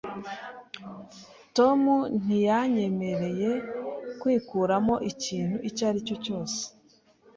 Tom ntiyanyemereye kwikuramo ikintu icyo ari cyo cyose.